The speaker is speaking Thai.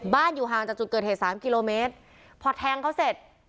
อยู่ห่างจากจุดเกิดเหตุสามกิโลเมตรพอแทงเขาเสร็จ